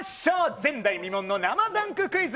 前代未聞の生ダンククイズ。